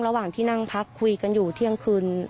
ระหว่างที่นั่งพักคุยกันอยู่เที่ยงคืน